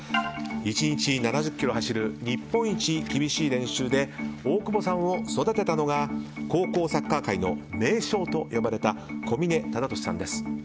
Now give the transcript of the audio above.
１日７０ｋｍ走る日本一厳しい練習で大久保さんを育てたのが高校サッカー界の名将と呼ばれた小嶺忠敏さんです。